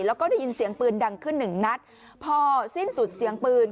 แล้วก็ได้ยินเสียงปืนดังขึ้นหนึ่งนัดพอสิ้นสุดเสียงปืน